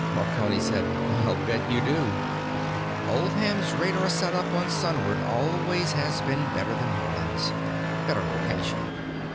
Marconi said: "I'll bet you do. Oldham's radar setup on Sunward always has been better than Haarland's. Better location.